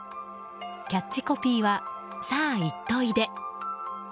キャッチコピーは「さぁ、行っといで。」。